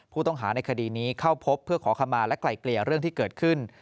ผู้ต้องหาในคดีนี้เข้าพบเพื่อขอขมาและไกลเกลี่ยเรื่องที่เกิดขึ้น